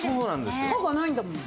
刃がないんだもん。